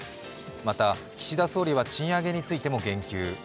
また、岸田総理は賃上げについても言及。